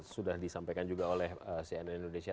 sudah disampaikan juga oleh cnn indonesia